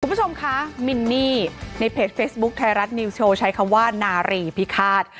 คุณผู้ชมคะมินนี่ในเพจเฟซบุ๊คไทยรัฐนิวโชว์ใช้คำว่านารีพิฆาต